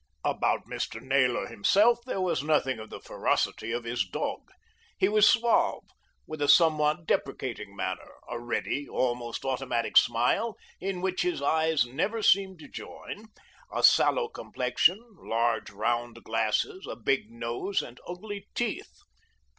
About Mr. Naylor himself there was nothing of the ferocity of his dog. He was suave, with a somewhat deprecating manner, a ready, almost automatic smile, in which his eyes never seemed to join, a sallow complexion, large round glasses, a big nose and ugly teeth.